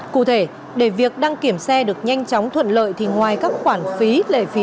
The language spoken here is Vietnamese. cụ thể để việc đăng kiểm xe được nhanh chóng thuận lợi thì ngoài các khoản phí lệ phí